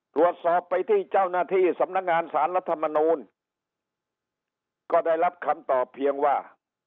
ตรวจสอบไปที่เจ้าหน้าที่สำนักงานสารรัฐมนูลก็ได้รับคำตอบเพียงว่า